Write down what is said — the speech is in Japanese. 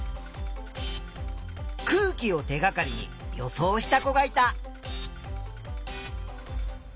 空気を手がかりに予想した子がいた。